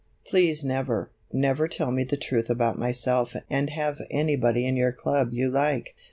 "Please never, never tell me the truth about myself and have anybody in your club you like.